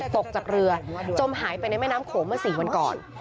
ตกจากเรือจมหายไปในแม่น้ำโขงเมื่อ๔วันก่อน